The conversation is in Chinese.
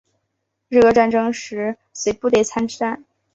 日俄战争时随部队参战。